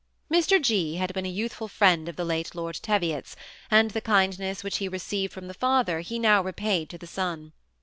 Mr. G. had been a youthful friend of the late Lord Teviot's, and the kindness which he received from the father he now repaid to the son.